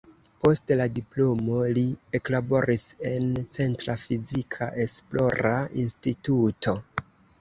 Post la diplomo li eklaboris en "Centra Fizika Esplora Instituto".